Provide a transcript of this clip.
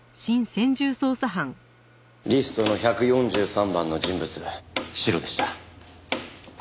リストの１４３番の人物シロでした。